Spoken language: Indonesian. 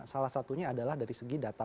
salah satunya adalah dari segi data